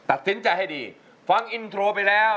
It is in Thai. ตัดเซ็นต์จ่ายให้ดีฟังอินโทรไปแล้ว